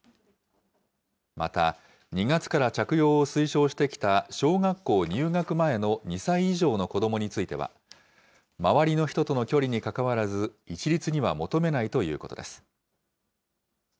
また、２月から着用を推奨してきた小学校入学前の２歳以上の子どもについては、周りの人との距離に関わらず、一律には求めないということです。